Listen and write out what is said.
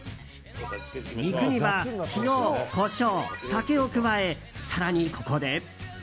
肉には塩、コショウ、酒を加え更にここで。